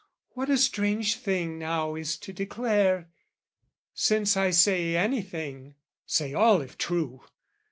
what a strange thing now is to declare! Since I say anything, say all if true!